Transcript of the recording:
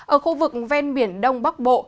ở khu vực ven biển đông bắc bộ